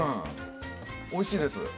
おいしいです。